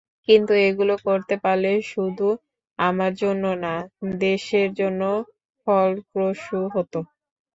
কিন্তু এগুলো করতে পারলে শুধু আমার জন্য না, দেশের জন্যও ফলপ্রসূ হতো।